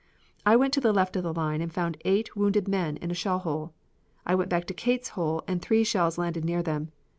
I went to the left of the line and found eight wounded men in a shell hole. I went back to Cates' hole and three shells landed near them.